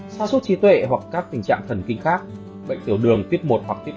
xa suốt trí tuệ hoặc các tình trạng thần kinh khác bệnh tiểu đường tuyết một hoặc tuyết hai